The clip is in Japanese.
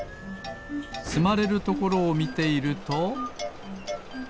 つまれるところをみていると。